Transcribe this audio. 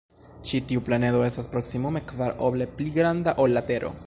Ĉi tiu planedo estas proksimume kvar oble pli granda ol la Tero.